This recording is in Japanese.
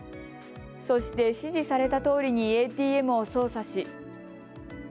そして指示されたとおりにＡＴＭを操作し。